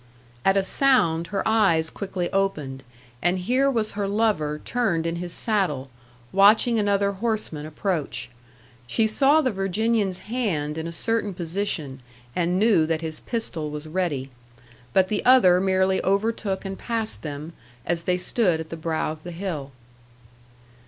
At a sound, her eyes quickly opened; and here was her lover turned in his saddle, watching another horseman approach. She saw the Virginian's hand in a certain position, and knew that his pistol was ready. But the other merely overtook and passed them, as they stood at the brow of the hill.